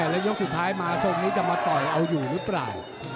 แล้วยกสุดท้ายมาทรงนี้จะมาต่อยเอาอยู่หรือเปล่า